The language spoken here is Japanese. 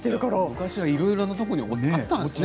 昔は、いろいろなところにあったんですね？